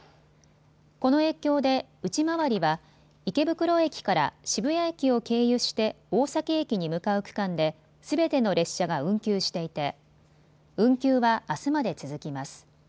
この影響で内回りは池袋駅から渋谷駅を経由して大崎駅に向かう区間ですべての列車が運休していて運休はあすまで続きます。